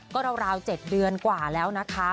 ก็ราว๗เดือนกว่าแล้วนะคะ